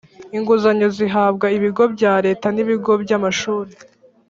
inguzanyo zihabwa ibigo bya leta n ibigo byamashuri